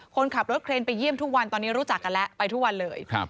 คนขับรถเครนไปเยี่ยมทุกวันตอนนี้รู้จักกันแล้วไปทุกวันเลย